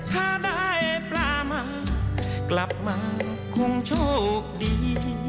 ถ้าได้ปลามันกลับมาคงโชคดีจริง